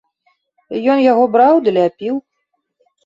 Ён яго браў ды ляпіў.